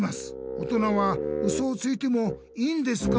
おとなはウソをついてもいいんですか？」。